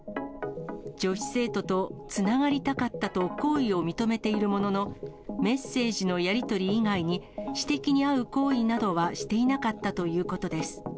女子生徒とつながりたかったと、行為を認めているものの、メッセージのやり取り以外に私的に会う行為などはしていなかったということです。